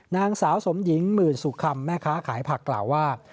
นางสาวสมหญิงหมื่นสุคำแม่ค้าขายผักกล่าวว่า